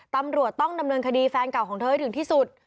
ตำรวจต้องดำเนินคดีแฟนเก่าของเธอให้ถึงที่สุด